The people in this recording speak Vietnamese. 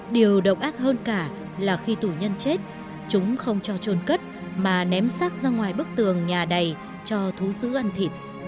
điều động ác hơn cả là khi tù nhân chết chúng không cho trôn cất mà ném sát ra ngoài bức tường nhà đầy cho thú sứ ăn thịt